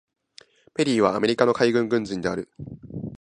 ペリーはアメリカの海軍軍人である。